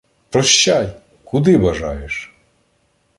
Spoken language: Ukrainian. — Прощай! Куди бажаєш?